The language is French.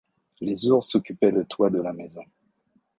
Les ours occupaient le toit de la maison.